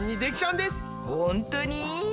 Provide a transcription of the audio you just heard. ほんとに？